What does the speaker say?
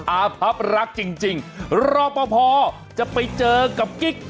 อาพับรักจริงรอปภจะไปเจอกับกิ๊ก